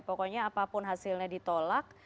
pokoknya apapun hasilnya ditolak